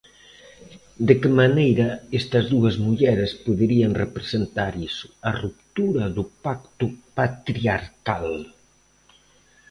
De que maneira estas dúas mulleres poderían representar iso, a ruptura do pacto patriarcal?